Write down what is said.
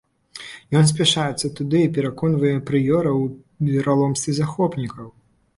Ён спяшаецца туды і пераконвае прыёра ў вераломстве захопнікаў.